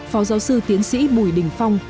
phó giáo sư tiến sĩ bùi đình phong